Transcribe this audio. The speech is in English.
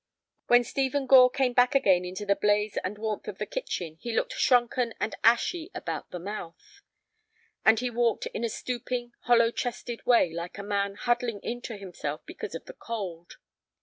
When Stephen Gore came back again into the blaze and warmth of the kitchen he looked shrunken and ashy about the mouth, and he walked in a stooping, hollowchested way like a man huddling into himself because of the cold.